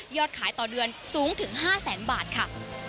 ขายต่อเดือนสูงถึง๕แสนบาทค่ะ